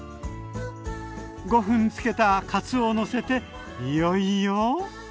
５分つけたかつおをのせていよいよ？